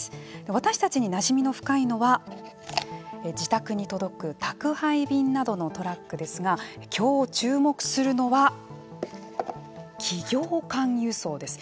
私たちになじみの深いのは自宅に届く宅配便などのトラックですが今日注目するのは企業間輸送です。